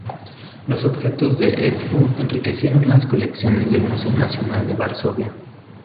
Los objetos de Edfu enriquecieron las colecciones del Museo Nacional de Varsovia.